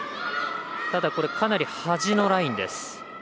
ただ、これかなり端のラインです。